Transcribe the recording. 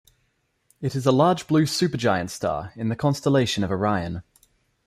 It is a large blue supergiant star in the constellation of Orion.